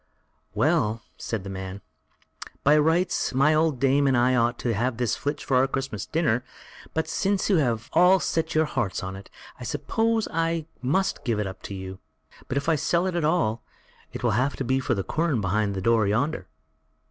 "Well!" said the man, "by rights, my old dame and I ought to have this flitch for our Christmas dinner; but since you have all set your hearts on it, I suppose I must give it up to you; but if I sell it at all, I'll have for it the quern behind the door yonder."